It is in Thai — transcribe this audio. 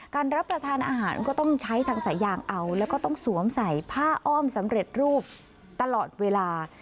รับประทานอาหารก็ต้องใช้ทางสายยางเอาแล้วก็ต้องสวมใส่ผ้าอ้อมสำเร็จรูปตลอดเวลา